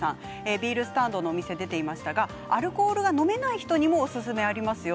ビールスタンドのお店が出ていましたがアルコールが飲めない人にもおすすめがありますよ。